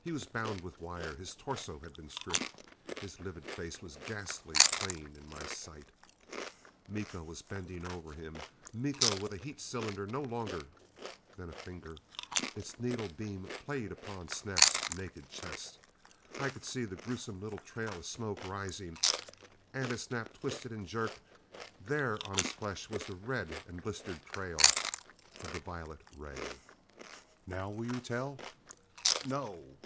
He was bound with wire. His torso had been stripped. His livid face was ghastly plain in my light. Miko was bending over him. Miko with a heat cylinder no longer than a finger. Its needle beam played upon Snap's naked chest. I could see the gruesome little trail of smoke rising; and as Snap twisted and jerked, there on his flesh was the red and blistered trail of the violet ray. "Now will you tell?" "No!"